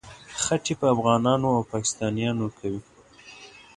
خټې په افغانانو او پاکستانیانو کوي.